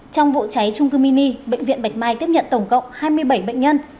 trong vụ cháy trung cư mini bệnh viện bạch mai tiếp nhận tổng cộng hai mươi bảy bệnh nhân